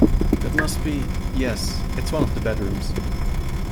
That must be — yes — it's one of the bedrooms.